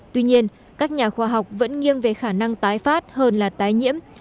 tuy nhiên các nhà khoa học vẫn nghiêng về khả năng tái phát hơn là tái nhiễm